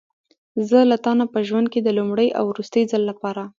زه له تا نه په ژوند کې د لومړي او وروستي ځل لپاره.